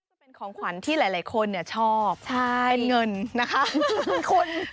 จะเป็นของขวัญที่หลายคนชอบเป็นเงินนะคะ